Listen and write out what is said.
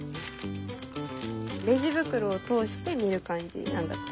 レジ袋を通して見る感じなんだって。